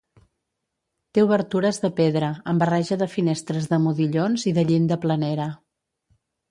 Té obertures de pedra, amb barreja de finestres de modillons i de llinda planera.